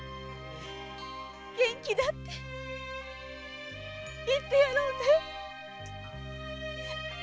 元気だって言ってやろうね！